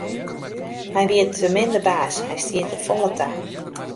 Hy wie te min de baas, hy stie te folle ta.